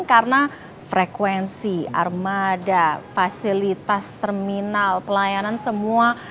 karena frekuensi armada fasilitas terminal pelayanan semua